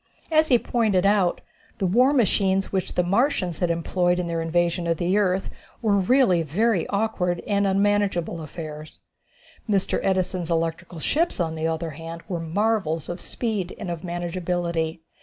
As he pointed out, the war machines which the Martians had employed in their invasion of the earth, were really very awkward and unmanageable affairs. Mr. Edison's electrical ships, on the other hand, were marvels of speed and of manageability.